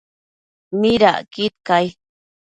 ¿midacquid cai ?